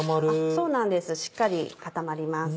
そうなんですしっかり固まります。